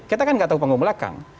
kita kan nggak tahu panggung belakang